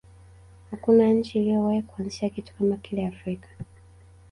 hakuna nchi iliyowahi kuanzisha kitu kama kile afrika